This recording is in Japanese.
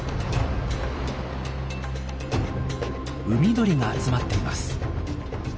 海鳥が集まっています。